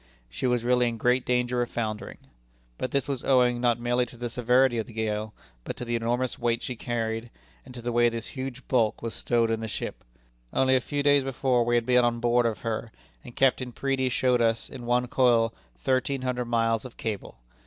She was really in great danger of foundering. But this was owing, not merely to the severity of the gale, but to the enormous weight she carried, and to the way this huge bulk was stowed in the ship. Only a few days before we had been on board of her, and Captain Preedy showed us, in one coil, thirteen hundred miles of cable!